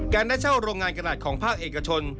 ได้เช่าโรงงานกระดาษของภาคเอกชน